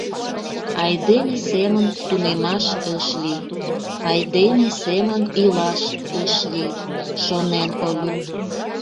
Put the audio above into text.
Айдеме семын тунемаш ыш лий... айдеме семын илаш ыш лий», — шонен Олю.